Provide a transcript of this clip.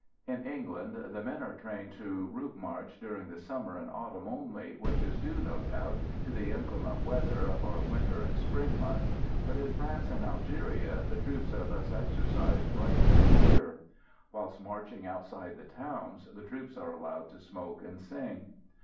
In England the men are trained to route marching during the summer and autumn only, which is due, no doubt, to the inclement weather of our winter and spring months; but in France and Algeria the troops are thus exercised right through the year. Whilst marching outside the towns the troops are allowed to smoke and sing.